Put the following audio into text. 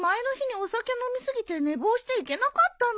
お酒飲み過ぎて寝坊して行けなかったの